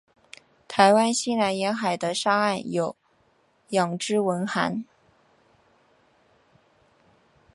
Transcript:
台湾西南沿海的沙岸有养殖文蛤。